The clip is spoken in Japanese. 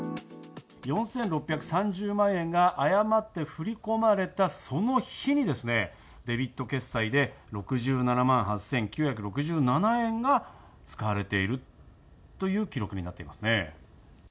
４６３０万円が誤って振り込まれた、その日にですね、デビット決済で６７万８９６７円が使われているという記録になっていますね。